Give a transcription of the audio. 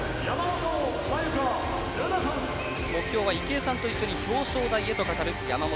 目標は池江さんと一緒に表彰台にと語る山本。